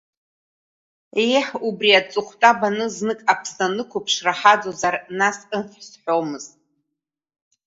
Еҳ убри аҵыхәтәа баны знык Аԥсны анықәԥшра ҳаӡозар, нас ҟыҳ сҳәомызт.